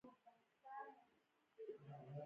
نجلۍ د ادب نښه ده.